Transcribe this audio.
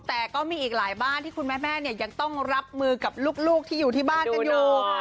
แต่ก็มีอีกหลายบ้านที่คุณแม่เนี่ยยังต้องรับมือกับลูกที่อยู่ที่บ้านกันอยู่